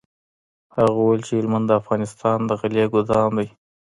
هغه وویل چي هلمند د افغانستان د غلې ګودام دی.